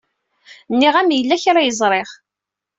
Nniɣ-am yella kra ay ẓriɣ.